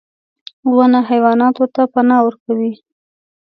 • ونه حیواناتو ته پناه ورکوي.